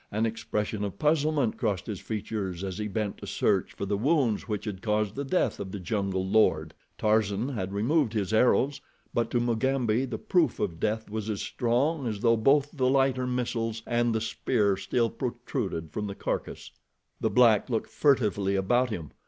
An expression of puzzlement crossed his features as he bent to search for the wounds which had caused the death of the jungle lord. Tarzan had removed his arrows, but to Mugambi the proof of death was as strong as though both the lighter missiles and the spear still protruded from the carcass. The black looked furtively about him.